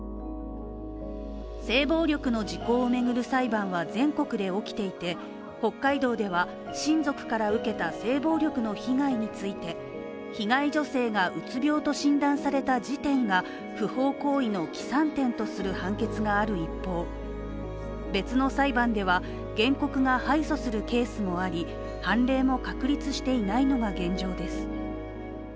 性暴力の時効を巡る裁判は全国で起きていて北海道では親族から受けた性暴力の被害について被害女性がうつ病と診断された時点が不法行為の起算点とする判決がある一方別の裁判では原告が敗訴するケースもあり、判例も確立していないのが現状です。